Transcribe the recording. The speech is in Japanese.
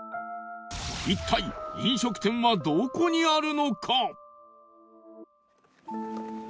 一体飲食店はどこにあるのか？